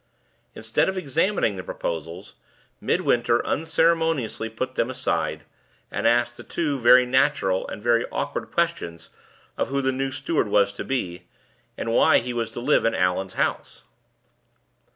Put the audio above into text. Instead of examining the proposals, Midwinter unceremoniously put them aside, and asked the two very natural and very awkward questions of who the new steward was to be, and why he was to live in Allan's house?